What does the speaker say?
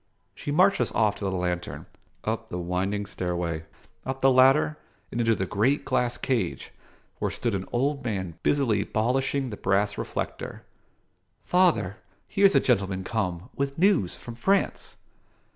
She marched us off to the lantern, up the winding stairway, up the ladder, and into the great glass cage, where stood an old man busily polishing the brass reflector. "Father, here's a gentleman come, with news from France!"